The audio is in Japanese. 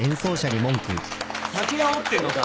酒あおってんのか？